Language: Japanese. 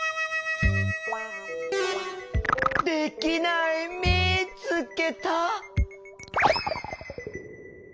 できないみつけた！